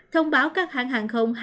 thông báo các hãng hàng không